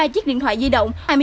ba chiếc điện thoại di động